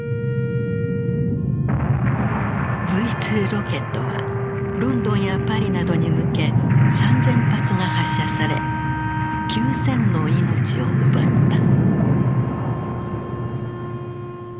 Ｖ２ロケットはロンドンやパリなどに向け３，０００発が発射され９，０００の命を奪った。